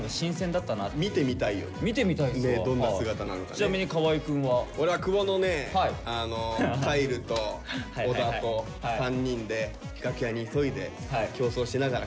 ちなみに河合くんは？俺は久保のね海琉と小田と３人で楽屋に急いで競争しながら帰る。